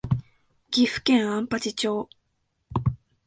岐阜県安八町